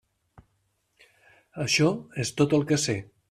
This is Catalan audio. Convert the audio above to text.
Això és tot el que sé.